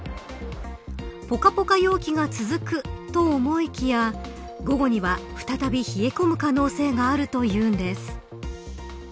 ぽかぽか陽気が続くと思いきや、午後には再び冷え込む可能性があるというんです。